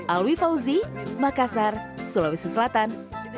alwi fauzi makassar sulawesi selatan